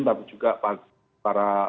tapi juga para